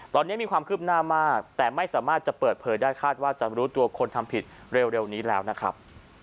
ตอนนี้มีความคืบหน้ามากแต่ไม่สามารถจะเปิดเผยได้คาดว่าจะรู้ตัวคนทำผิดเร็วนี้แล้วนะครับ